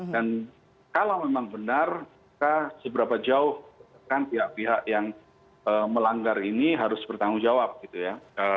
dan kalau memang benarkah seberapa jauh kan pihak pihak yang melanggar ini harus bertanggung jawab gitu ya